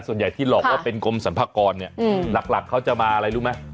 ส่วนใหญ่ที่หลอกว่าเป็นกรมสรรพากรเนี่ยหลักเขาจะมาอะไรรู้ไหม